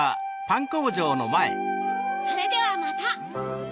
それではまた！